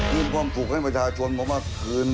มีความสุขให้ประชาชนผมมาคืน